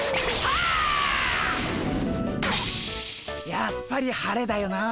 やっぱり晴れだよなあ。